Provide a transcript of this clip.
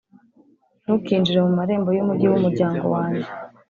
ntukinjire mu marembo y’umugi w’umuryango wanjye,